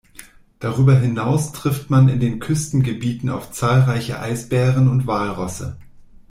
Darüber hinaus trifft man in den Küstengebieten auf zahlreiche Eisbären und Walrosse.